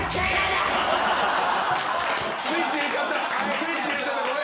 スイッチ入れちゃったごめん。